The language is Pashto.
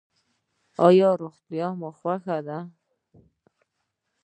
ایا روغتیا مو خوښیږي؟